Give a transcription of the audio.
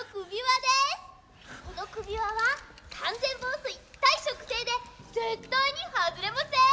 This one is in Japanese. この首輪は完全防水耐食性で絶対に外れません！